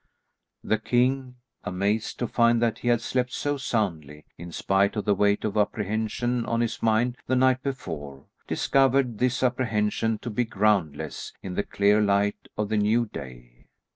The king, amazed to find that he had slept so soundly in spite of the weight of apprehension on his mind the night before, discovered this apprehension to be groundless in the clear light of the new day.